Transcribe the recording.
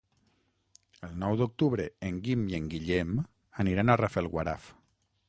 El nou d'octubre en Guim i en Guillem aniran a Rafelguaraf.